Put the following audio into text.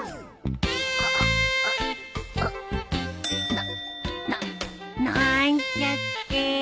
なななーんちゃって。